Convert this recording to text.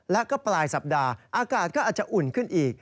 แล้วก็ปลายสัปดาห์อากาศก็อาจจะอุ่นขึ้นอีก